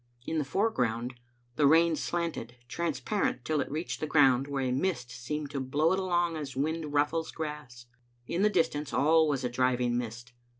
In the foreground the rain slanted, transparent till it reached the ground, where a mist seemed to blow it along as wind rufHes grass. In the distance all was a driving mist.